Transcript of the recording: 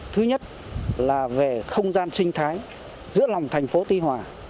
thứ nhất là về không gian sinh thái giữa lòng thành phố tuy hòa